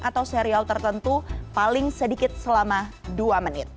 atau serial tertentu paling sedikit selama dua menit